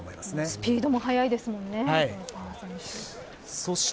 スピードも速いですもんね伊東選手。